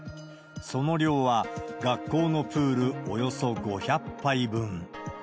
その量は、学校のプールおよそ５００杯分。